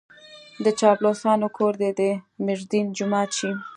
د چاپلوسانو کور دې د ميردين جومات شي.